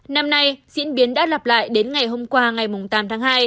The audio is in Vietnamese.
năm nay diễn biến đã lặp lại đến ngày hôm qua ngày tám tháng hai